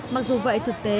mặc dù vậy thực tế